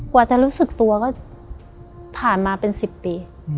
กว่าจะรู้สึกตัวก็ผ่านมาเป็น๑๐ปี